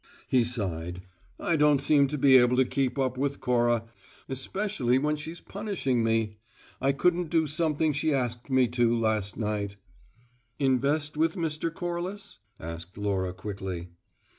He sighed. "I don't seem to be able to keep up with Cora, especially when she's punishing me. I couldn't do something she asked me to, last night " "Invest with Mr. Corliss?" asked Laura quickly.